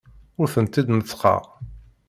Ur tent-id-neṭṭqeɣ.